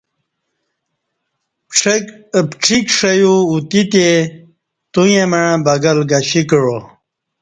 پڄیک ݜیو اوتیتہ تو ییں مع بگل